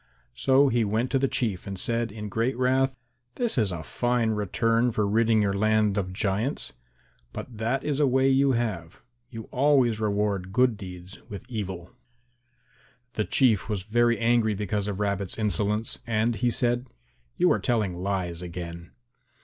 So he went to the Chief and said in great wrath, "This is a fine return for ridding your land of giants. But that is a way you have; you always reward good deeds with evil." The Chief was very angry because of Rabbit's insolence, and he said, "You are telling lies again."